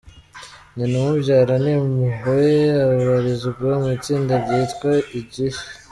Nyina umubyara ni Impuhwe abarizwa mu itsinda ryitwa Igisha.